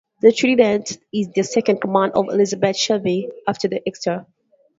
The "Trident" is the second command of Elizabeth Shelby, after the "Exeter".